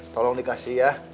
tolong dikasih ya